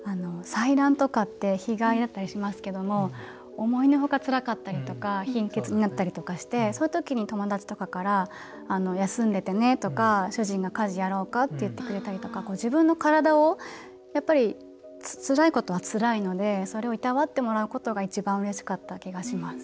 採卵とかって日帰りだったりしますけれども思いのほか、つらかったりとか貧血になったりとかしてそういう時に友達とかから「休んでてね」とか主人が「家事やろうか？」って言ってくれたりとか自分の体を、やっぱりつらいことはつらいのでそれを、いたわってもらうことが一番うれしかった気がします。